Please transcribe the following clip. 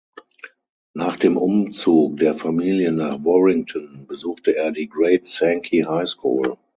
Nach dem Umzug der Familie nach Warrington besuchte er die Great Sankey High School.